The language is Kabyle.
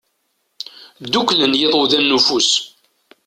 Dduklen yiḍudan n ufus.